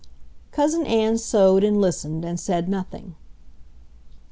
Cousin Ann sewed, and listened, and said nothing.